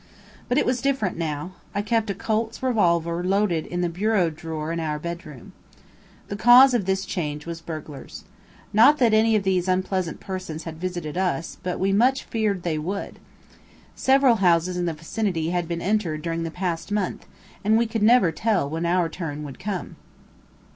But it was different now. I kept a Colt's revolver loaded in the bureau drawer in our bedroom. The cause of this change was burglars. Not that any of these unpleasant persons had visited us, but we much feared they would. Several houses in the vicinity had been entered during the past month, and we could never tell when our turn would come.